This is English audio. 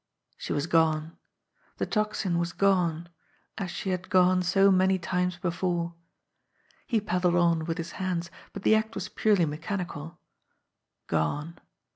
She was gone! The Tocsin was gone as she had gone so many times before. He paddled on with his hands, but the act was purely mechanical. Gone !